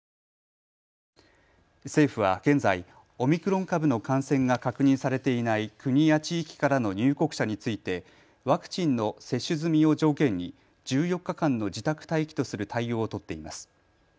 政府は現在、オミクロン株の感染が確認されていない国や地域からの入国者についてワクチンの接種済みを条件に１４日間の自宅待機とする対応を取っています。